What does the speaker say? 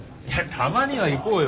たまには行こうよ。